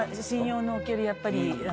信用のおける、やっぱり。